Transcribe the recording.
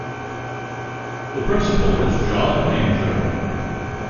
The principal is Jon Angell.